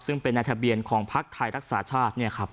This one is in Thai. ซึ่งเป็นในทะเบียนของพักไทยรักษาชาติ